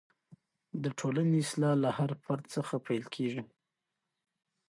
د ټولنې اصلاح له هر فرد څخه پیل کېږي.